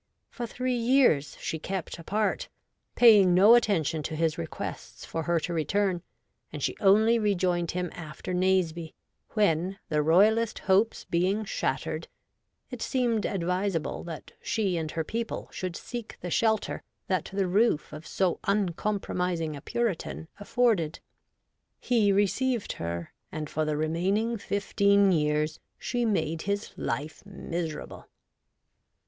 For three years she kept apart, paying no attention to his requests for her to return, and she only rejoined him after Naseby, when, the Royalist hopes being shattered, it seemed advisable that she and her people should seek the shelter that the roof of so uncompromising a Puritan afforded. He received her, and for the remaining fifteen years she made his life miserable.